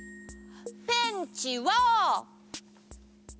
ペンチは。